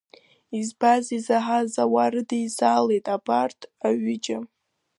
Избаз, изаҳаз ауаа рыдеизалеит абарҭ аҩыџьа.